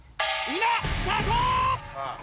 今スタート！